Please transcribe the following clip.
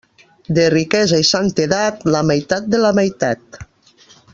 De riquesa i santedat, la meitat de la meitat.